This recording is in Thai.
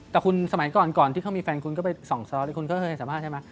แต่คุณสมัยก่อนที่เขามีแฟนคุณก็ไปส่องสตคุณเคยเคยสามารถใช่ไหม